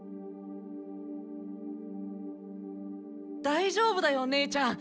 大丈夫だよ姉ちゃん！